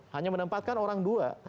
hanya menempatkan orang dua